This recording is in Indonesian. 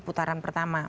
di putaran pertama